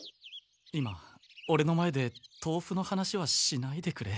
今オレの前でとうふの話はしないでくれ。